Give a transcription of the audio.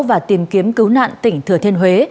và tìm kiếm cứu nạn tỉnh thừa thiên huế